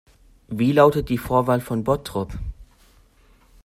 Wie lautet die Vorwahl von Bottrop?